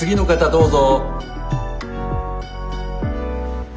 ・どうぞ。